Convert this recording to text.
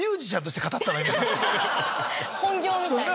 本業みたいに。